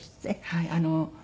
はい。